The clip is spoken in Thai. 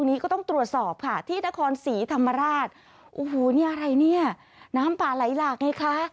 ที่นครศรีธรรมราชโอ้โหเนี้ยอะไรเนี้ยน้ำป่าไหลหลากไงคะ